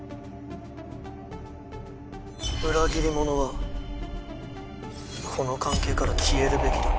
裏切り者はこの関係から消えるべきだ。